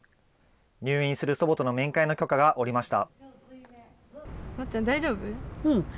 入院する祖母との面会の許可が下りました。